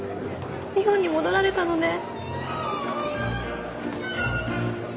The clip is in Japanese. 日本に戻られたのね。